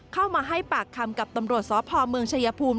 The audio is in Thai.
เข้ามาให้ปากคำกับตำรวจสพเมืองชายภูมิ